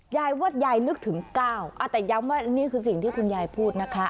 ยายว่ายายนึกถึงก้าวแต่ย้ำว่านี่คือสิ่งที่คุณยายพูดนะคะ